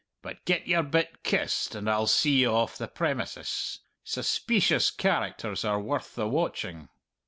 But get your bit kist, and I'll see ye off the premises. Suspeecious characters are worth the watching."